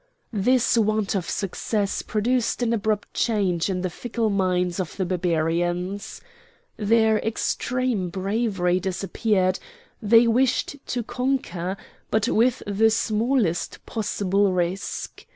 This want of success produced an abrupt change in the fickle minds of the Barbarians. Their extreme bravery disappeared; they wished to conquer, but with the smallest possible risk.